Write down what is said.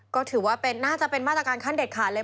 ก็ถือว่าน่าจะเป็นมาตรการขั้นเด็ดขาดเลย